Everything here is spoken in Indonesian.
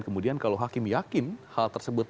kemudian kalau hakim yakin hal tersebut